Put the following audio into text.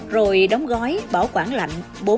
rồi đóng gói bảo quản lạnh